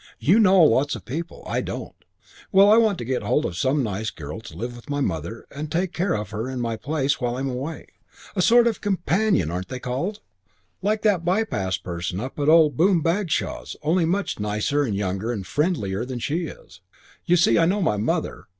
You know lots of people. I don't. Well, I want to get hold of some nice girl to live with my mother and take care of her in my place while I'm away. A sort of companion, aren't they called? Like that Bypass person up at old Boom Bagshaw's, only much nicer and younger and friendlier than she is. You see, I know my mother.